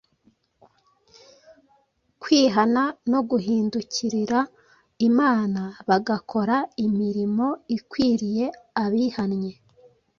kwihana no guhindukirira Imana, bagakora imirimo ikwiriye abihanye”